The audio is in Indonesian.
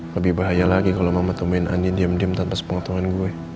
lebih bahaya lagi kalau mama temuin andien diem diem tanpa sepengatungan gue